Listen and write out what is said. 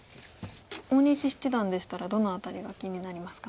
大西七段でしたらどの辺りが気になりますか？